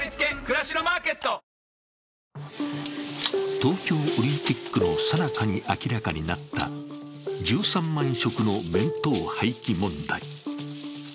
東京オリンピックのさなかに明らかになった１３万食の弁当廃棄問題。